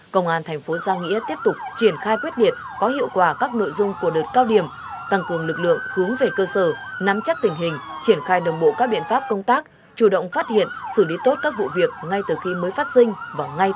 công an thành phố gia nghĩa đã đấu tranh triệt phá một vụ mua bán vận chuyển chế tạo phó nổ che phép một vụ cho vai lãnh nặng